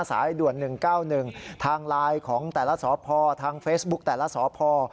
สายด่วน๑๙๑ทางไลน์ของแต่ละสพทางเฟซบุ๊คแต่ละสพ